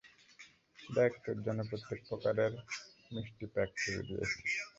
দেখ, তোর জন্য প্রত্যেক প্রকারের মিষ্টি প্যাক করে দিয়েছি।